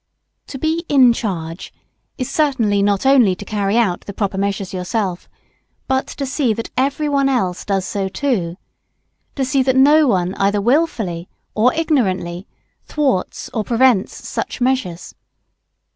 To be "in charge" is certainly not only to carry out the proper measures yourself but to see that every one else does so too; to see that no one either wilfully or ignorantly thwarts or prevents such measures.